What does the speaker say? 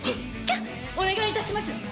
お願いいたします